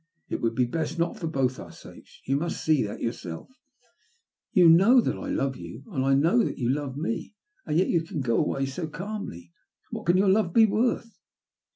It would be best not for both our sakes ; you must see that yourself." *' You know that I love you, and I know that you love me — and yet you can go away so calmly. YiThat can your love be worth